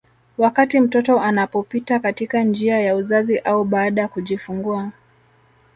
Wakati mtoto anapopita katika njia ya uzazi au baada kujifungua